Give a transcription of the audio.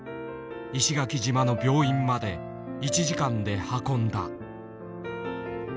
石垣島の病院まで１時間で運んだ。